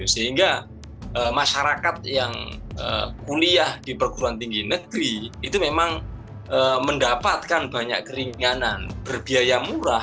sehingga masyarakat yang kuliah di perguruan tinggi negeri itu memang mendapatkan banyak keringanan berbiaya murah